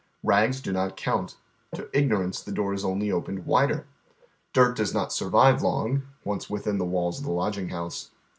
Rags do not count ; to ignorance the door is only opened wider. Dirt does not sm vive long, once within the walls of the lodging house.